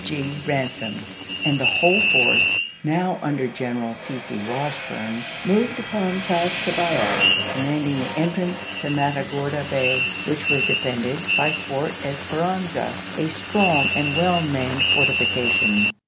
G. Eansom, and the whole force, now under General C. C. Washburn, moved upon Pass Cavallo, commanding the entrance to Matagorda Bay, which was defended by Fort Esperanza, a strong and well manned fortifi cation.